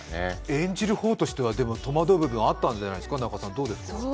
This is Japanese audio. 演じる方としては戸惑う部分もあったりしたんじゃないですか？